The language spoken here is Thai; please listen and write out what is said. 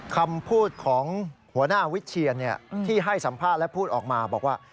คำพูดของหัวหน้าวิเชียนที่ให้สัมภาษณ์และพูดออกมาบอกว่า